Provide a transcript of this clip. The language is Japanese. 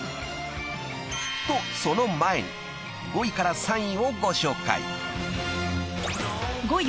［とその前に５位から３位をご紹介］